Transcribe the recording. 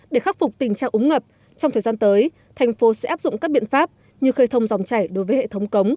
để khắc phục tình trạng ống ngập trong thời gian tới thành phố sẽ áp dụng các biện pháp như khơi thông dòng chảy đối với hệ thống cống